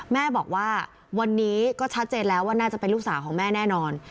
แม่บอกว่าวันนี้ก็ชัดเจนแล้วว่าน่าจะเป็นลูกสาวของแม่แน่นอน